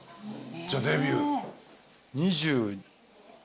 じゃあデビュー。